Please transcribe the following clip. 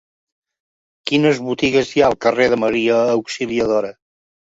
Quines botigues hi ha al carrer de Maria Auxiliadora?